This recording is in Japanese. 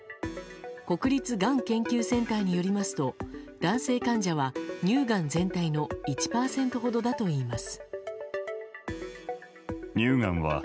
国立がん研究センターによりますと男性患者は、乳がん全体の１％ほどだといいます。